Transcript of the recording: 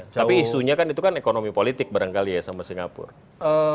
tapi isunya kan itu kan ekonomi politik barangkali ya sama singapura